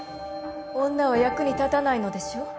女は役に立たないのでしょう？